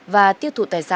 và tiêu thụ tài sản